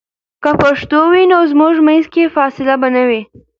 که پښتو وي، نو زموږ منځ کې فاصله به نه وي.